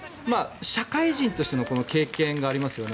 社会人としての経験がありますよね。